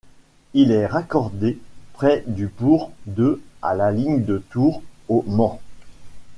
Il est raccordé, près du bourg de à la ligne de Tours au Mans.